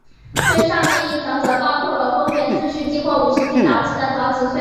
最上面一层则包括了公元四世纪或五世纪早期的陶瓷碎片。